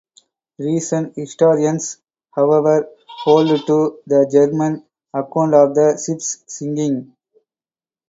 Recent historians, however, hold to the German account of the ship's sinking.